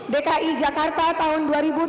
dki jakarta tahun dua ribu tujuh belas